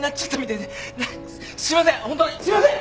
すいません